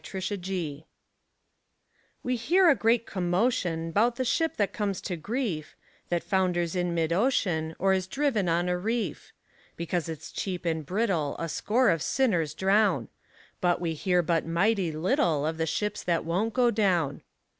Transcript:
0 Autoplay We hear a great commotion 'Bout the ship that comes to grief, That founders in mid ocean, Or is driven on a reef; Because it's cheap and brittle A score of sinners drown. But we hear but mighty little Of the ships that won't go down.